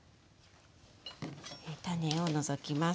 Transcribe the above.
種を除きます。